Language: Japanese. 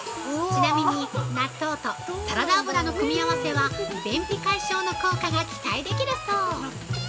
ちなみに、納豆とサラダ油の組み合わせは、便秘解消の効果が期待できるのだそう。